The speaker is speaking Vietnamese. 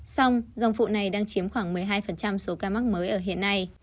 xong dòng phụ này đang chiếm khoảng một mươi hai số ca mắc mới ở hiện nay